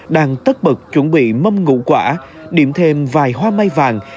đang tất bật chuẩn bị mâm ngụ quả điểm thêm vài hoa may vàng